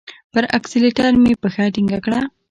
پر اکسلېټر مي پښه ټینګه کړه !